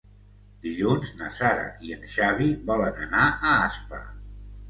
Dilluns na Sara i en Xavi volen anar a Aspa.